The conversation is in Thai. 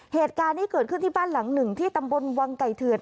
เหตุการณ์นี้เกิดขึ้นที่บ้านหลังหนึ่งที่ตำบลวังไก่เถื่อน